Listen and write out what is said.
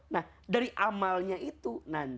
nah dari amalnya itu